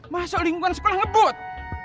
masuk lingkungan sekolah ngebut